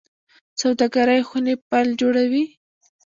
سوداګرۍ خونې پل جوړوي